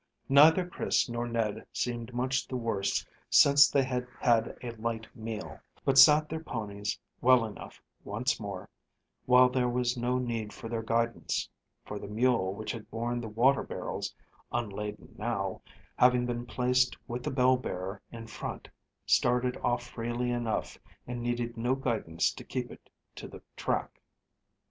Neither Chris nor Ned seemed much the worse since they had had a light meal, but sat their ponies well enough once more, while there was no need for their guidance, for the mule which had borne the water barrels, unladen now, having been placed with the bell bearer in front, started off freely enough, and needed no guidance to keep it to the track.